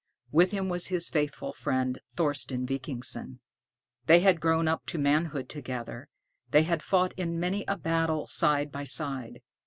With him was his faithful friend Thorsten Vikingsson. They had grown up to manhood together, they had fought in many a battle side by side.